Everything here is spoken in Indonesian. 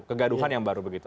kegaduhan yang baru begitu